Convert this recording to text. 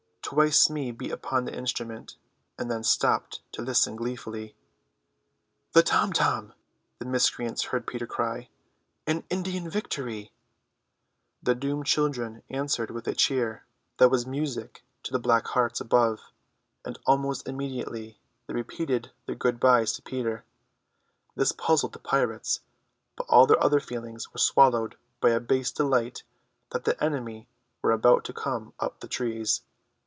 Twice Smee beat upon the instrument, and then stopped to listen gleefully. "The tom tom," the miscreants heard Peter cry; "an Indian victory!" The doomed children answered with a cheer that was music to the black hearts above, and almost immediately they repeated their good byes to Peter. This puzzled the pirates, but all their other feelings were swallowed by a base delight that the enemy were about to come up the trees.